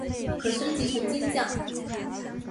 可升级成金将。